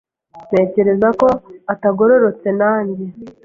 Ntekereza ko atagororotse nanjye.